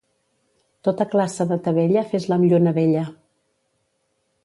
Tota classe de tavella fes-la amb lluna vella.